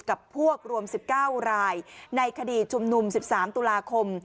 กับพวกรวม๑๙รายในคดีชุมนุม๑๓ตุลาคม